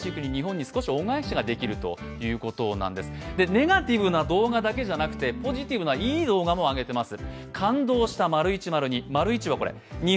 ネガティブな動画だけじゃなくて、ポジティブないい動画も上げてます。